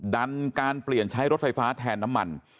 การเปลี่ยนใช้รถไฟฟ้าแทนน้ำมัน